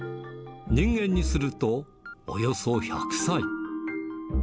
人間にすると、およそ１００歳。